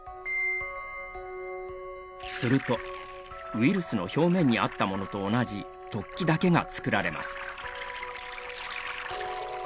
するとウイルスの表面にあったものと同じ突起だけが作られます。